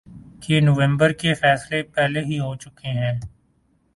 کہ نومبر کے فیصلے پہلے ہی ہو چکے ہیں۔